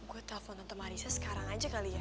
gue telepon nonton arisnya sekarang aja kali ya